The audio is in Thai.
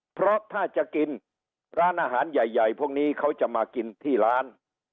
เพราะถ้าจะกินร้านอาหารใหญ่พวกนี้เขาจะมากินที่ร้าน